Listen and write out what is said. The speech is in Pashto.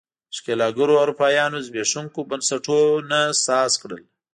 ښکېلاکګرو اروپایانو زبېښونکو بنسټونو ساز کړل.